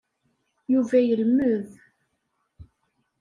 Yuba yelmed.